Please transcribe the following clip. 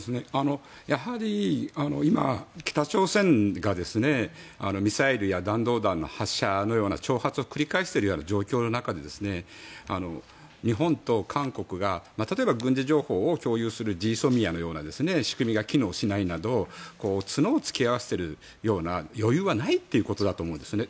やはり今、北朝鮮がミサイルや弾道弾の発射のような挑発を繰り返しているような状況の中で日本と韓国が例えば軍事情報を共有するＧＳＯＭＩＡのような仕組みが機能しないなど角を突き合わせている余裕はないということだと思うんですね。